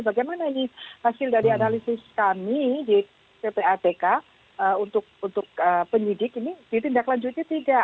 bagaimana ini hasil dari analisis kami di ppatk untuk penyidik ini ditindaklanjuti tidak